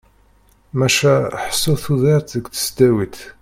Maca ḥsu tudert deg tesdawit.